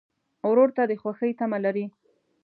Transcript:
ورور ته د خوښۍ تمه لرې.